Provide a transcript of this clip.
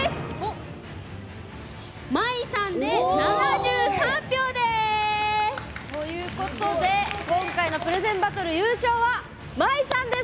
まいさんで７３票です！ということで今回のプレゼンバトル優勝はまいさんです。